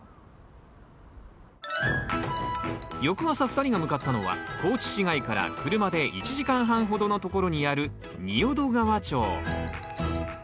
翌朝２人が向かったのは高知市街から車で１時間半ほどの所にある仁淀川町